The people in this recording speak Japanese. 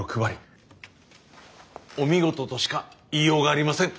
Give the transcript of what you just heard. お見事としか言いようがありません。